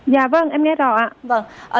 dạ vâng em nghe rõ ạ